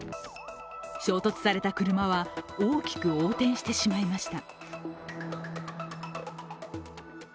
衝突された車は大きく横転してしまいました。